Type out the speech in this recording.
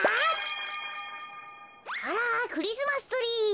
あらクリスマスツリー。